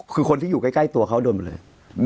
คือคนที่อยู่ใกล้ตัวเขาโดนหมดเลย